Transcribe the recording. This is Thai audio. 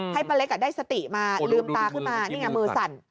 ป้าเล็กได้สติมาลืมตาขึ้นมานี่ไงมือสั่น